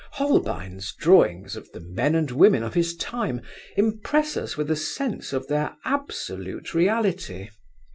Holbein's drawings of the men and women of his time impress us with a sense of their absolute reality.